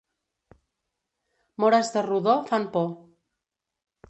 Mores de rodó fan por.